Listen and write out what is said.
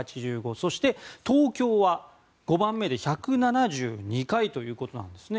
そして東京は５番目で１７２回ということなんですね。